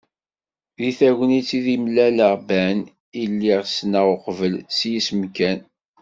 D tagnit ideg mlaleɣ Ben, i lliɣ ssneɣ uqbel s yisem kan.